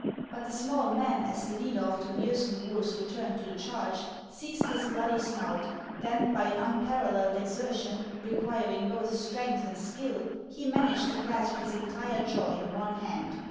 But the small man, as the leader of the Mio'sen wolves returned to the charge, seized his bloody snout ; then, by an unparalleled exertion requiring both strength and skill, he managed to clasp his entire jaw in one hand.